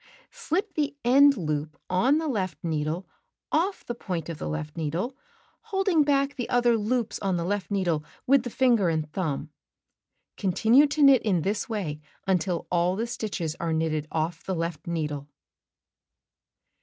Cut 6 Slip the end loop on the left needle ofT the point of the left needle, holding back the other loops on the left needle with the finger and thumb. Continue to knit in this way until all the stitches are knitted off the left needle.